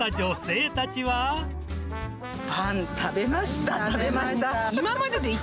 パン食べました、食べました。